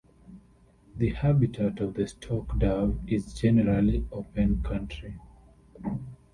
The habitat of the stock dove is generally open country.